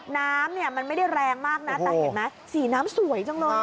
น้ำมันไม่ได้แรงมากนะแต่เห็นไหมสีน้ำสวยจังเลย